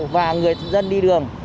và người dân đi đường